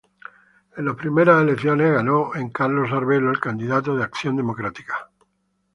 En las primeras elecciones ganó en Carlos Arvelo el candidato de Acción Democrática.